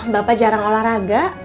bapak jarang olahraga